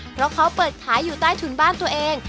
เพราะเขาเปิดขายอยู่ใต้ถุนบ้านตัวเอง